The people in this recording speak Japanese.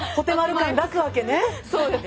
そうです。